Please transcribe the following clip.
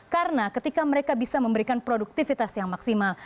karena ketika mereka bisa memberikan produktivitas yang maksimal